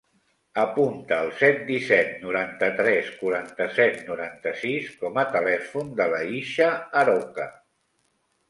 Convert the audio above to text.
Apunta el set, disset, noranta-tres, quaranta-set, noranta-sis com a telèfon de l'Aisha Aroca.